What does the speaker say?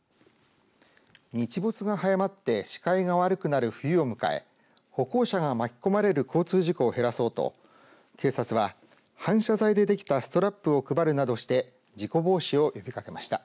日没が早まって視界が悪くなる冬を迎え歩行者が巻き込まれる交通事故を減らそうと警察は反射材で出来たストラップを配るなどして事故防止を呼びかけました。